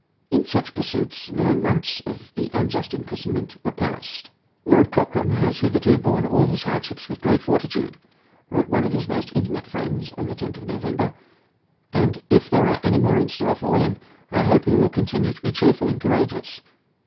In such pursuits nine months of the unjust imprisonment were passed. "Lord Cochrane has hitherto borne all his hardships with great fortitude," wrote one of his most intimate friends on the 10th of November, "and, if there are any more in store for him, I hope he will continue to be cheerful and courageous."